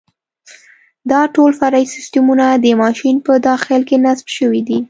دا ټول فرعي سیسټمونه د ماشین په داخل کې نصب شوي دي.